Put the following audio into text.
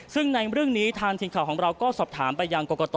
ซึ่งในเรื่องนี้ทางทีมข่าวของเราก็สอบถามไปยังกรกต